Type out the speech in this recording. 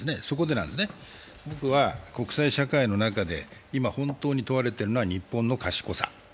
そこで、僕は国際社会の中で本当に問われているのは日本の賢さ。